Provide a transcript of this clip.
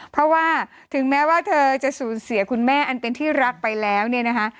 เพราะว่าถึงแม้ว่าเธอจะสูญเสียคุณแม่อันเป็นที่รักไปแล้วเนี่ยนะคะ